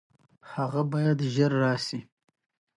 مارکس او انګلز تیورۍ د پېژندلو اساس نه شي کېدای.